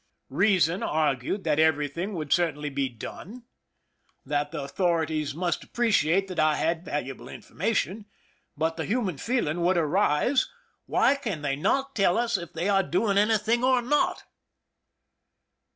Reason argued that every thing would certainly be done, that the authorities 244 PEISON LIFE THE SIEGE must appreciate that I had valuable information ; but the human feeling would arise, " Why can they not tell us if they are doing anything or not?"